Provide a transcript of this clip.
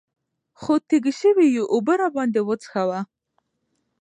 خو تږي شوي يو اوبۀ راباندې وڅښوه ـ